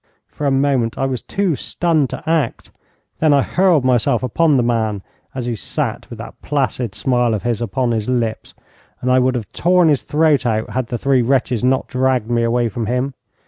For a moment I was too stunned to act. Then I hurled myself upon the man, as he sat with that placid smile of his upon his lips, and I would have torn his throat out had the three wretches not dragged me away from him.